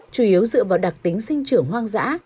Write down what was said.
chủ yếu dựa vào đặc tính sinh trưởng hoang dã